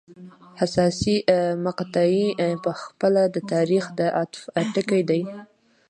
حساسې مقطعې په خپله د تاریخ د عطف ټکي دي.